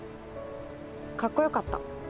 かっこよかった。